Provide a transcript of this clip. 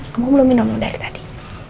kamu belum minum dari tadi